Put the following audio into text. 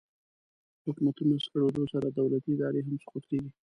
د حکومتونو نسکورېدو سره دولتي ادارې هم سقوط کیږي